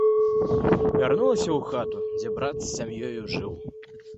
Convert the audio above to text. Вярнулася ў хату, дзе брат з сям'ёю жыў.